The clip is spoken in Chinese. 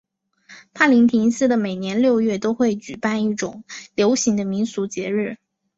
帕林廷斯的每年六月会举行一种流行的民俗节日。